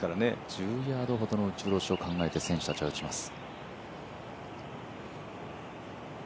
１０ヤードほどの打ち下ろしを考えて選手たちは打ちます。